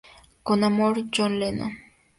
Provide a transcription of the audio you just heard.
Con amor, John Lennon.